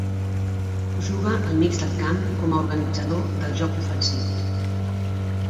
Juga al mig del camp com a organitzador del joc ofensiu.